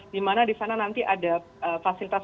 di mana di sana nanti ada fasilitas